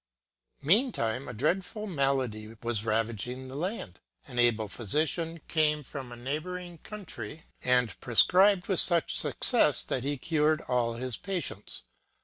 Meantime a dreadful malady was ravaging the land. An able physician came from a neighboring country, and pre scribed with such success that he cured all his patients.